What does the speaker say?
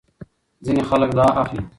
ځینې خلک دا اخلي.